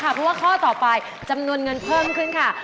เพราะว่าข้อต่อไปจำนวนเงินเพิ่มขึ้นค่ะ